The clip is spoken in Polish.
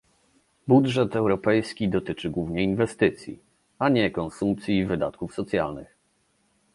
Budżet europejski dotyczy głównie inwestycji, a nie konsumpcji i wydatków socjalnych